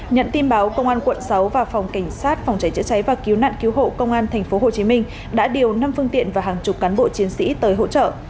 nhận tin báo công an quận sáu và phòng cảnh sát phòng cháy chữa cháy và cứu nạn cứu hộ công an tp hcm đã điều năm phương tiện và hàng chục cán bộ chiến sĩ tới hỗ trợ